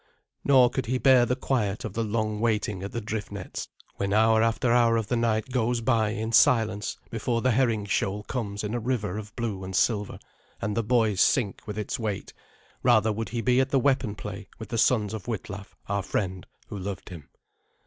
Nor could he bear the quiet of the long waiting at the drift nets, when hour after hour of the night goes by in silence before the herring shoal comes in a river of blue and silver and the buoys sink with its weight; rather would he be at the weapon play with the sons of Witlaf, our friend, who loved him.